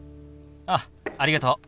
あっありがとう。